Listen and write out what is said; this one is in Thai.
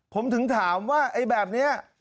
ผมถึงถามว่าไอ้แบบนี้